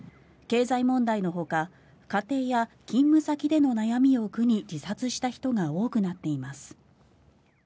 経済問題のほか家庭や勤務先での悩みを苦に自殺した人が多くなっています。